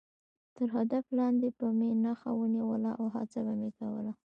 تر هدف لاندې به مې نښه ونیوله او هڅه به مې کوله.